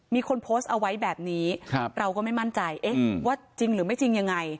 มีคนโพสต์เอาไว้แบบนี้เราก็ไม่มั่นใจว่าจริงหรือไม่จริงยังไง